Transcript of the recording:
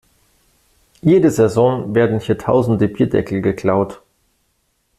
Jede Saison werden hier tausende Bierdeckel geklaut.